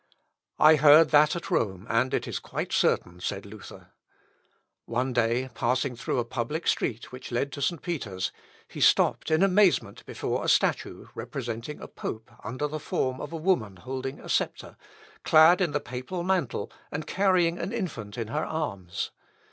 "I heard that at Rome, and it is quite certain," said Luther. One day passing through a public street which led to St. Peter's, he stopped in amazement before a statue, representing a pope under the form of a woman holding a sceptre, clad in the papal mantle, and carrying an infant in her arms.